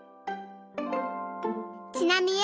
ちなみへ。